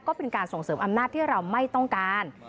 ก็เป็นการส่งเสริมอำนาจที่เราไม่ต้องการ